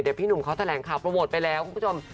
เดี๋ยวพี่หนุ่มเขาแถลงข่าวโปรโมทไปแล้วคุณผู้ชม